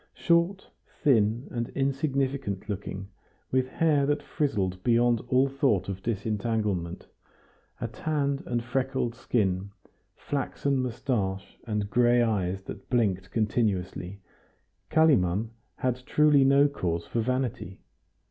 Short, thin, and insignificant looking, with hair that frizzled beyond all thought of disentanglement, a tanned and freckled skin, flaxen moustache, and gray eyes that blinked continuously, Kalimann had truly no cause for vanity.